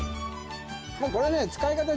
もうこれね。